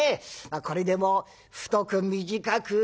これでも太く短く